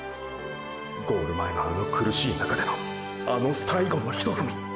ゴール前のあの苦しい中でのあの最後の一踏み！！